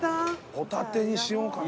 ホタテにしようかな。